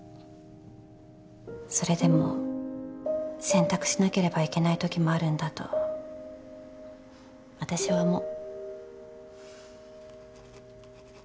それでも選択しなければいけないときもあるんだとあたしは思う。